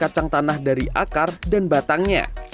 kacang tanah dari akar dan batangnya